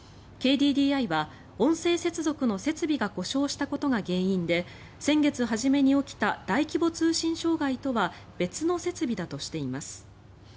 ＫＤＤＩは音声接続の設備が故障したことが原因で先月初めに起きた大規模通信障害とは別の設備だとしています。